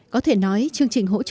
có thể nói chương trình hỗ trợ